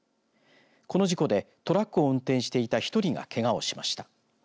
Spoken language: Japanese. この事故でトラックを運転していた１人がけがをしました。